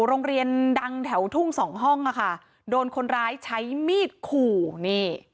โรงเรียนดังแถวทุ่งสองห้องอ่ะค่ะโดนคนร้ายใช้มีดขู่นี่